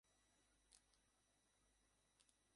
সবাই একটু শান্ত হোন।